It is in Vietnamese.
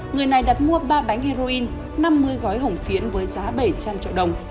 người này đặt mua ba bánh heroin năm mươi gói hồng phiến với giá bảy trăm linh triệu đồng